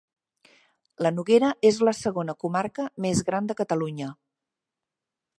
La Noguera és la segona comarca més gran de Catalunya.